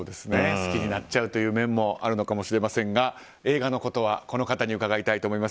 好きになっちゃう面もあるのかもしれませんが映画のことはこの方に伺いたいと思います。